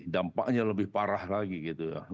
dampaknya lebih parah lagi gitu ya